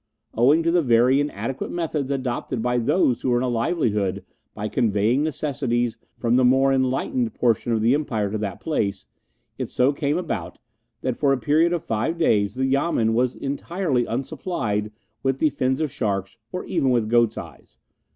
Owing to the very inadequate methods adopted by those who earn a livelihood by conveying necessities from the more enlightened portions of the Empire to that place, it so came about that for a period of five days the Yamen was entirely unsupplied with the fins of sharks or even with goats' eyes.